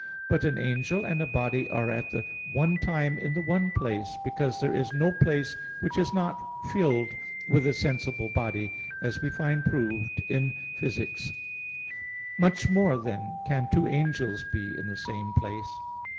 But an angel and a body are at the one time in the one place: because there is no place which is not filled with a sensible body, as we find proved in Phys. iv, text. 58. Much more, then, can two angels be in the same place.